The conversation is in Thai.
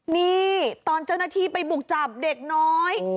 นี่ตอนเจ้าหน้าที่ไปบุกจับเด็กน้อย